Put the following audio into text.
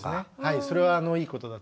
それはいいことだと思います。